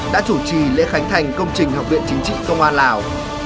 đã chủ trì lễ khánh thành công trình học viện chính trị công an lào